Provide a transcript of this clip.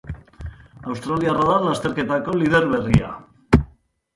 Australiarra da lasterketako lider berria.